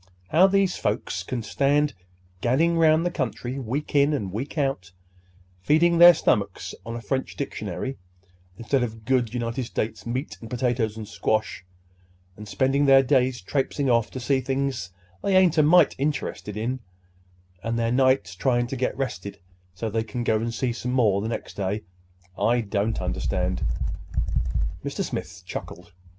How these folks can stand gadding 'round the country week in and week out, feeding their stomachs on a French dictionary instead of good United States meat and potatoes and squash, and spending their days traipsing off to see things they ain't a mite interested in, and their nights trying to get rested so they can go and see some more the next day, I don't understand." Mr. Smith chuckled.